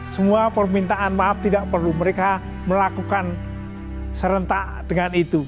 semua permintaan maaf tidak perlu mereka melakukan serentak dengan itu